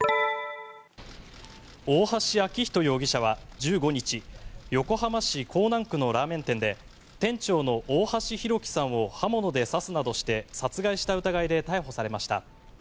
大橋昭仁容疑者は１５日横浜市港南区のラーメン店で店長の大橋弘輝さんを刃物で刺すなどして殺害した疑いで逮捕されました。